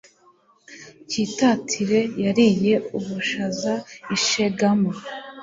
cyitatire yariye ubushaza i shegama